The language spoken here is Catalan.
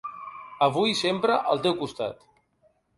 Avui i sempre, al teu costat.